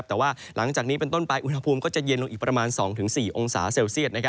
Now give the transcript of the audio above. แต่ว่าหลังจากนี้เป็นต้นไปอุณหภูมิก็จะเย็นลงอีกประมาณ๒๔องศาเซลเซียต